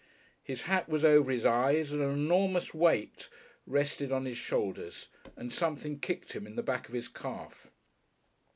His hat was over his eyes and an enormous weight rested on his shoulders and something kicked him in the back of his calf.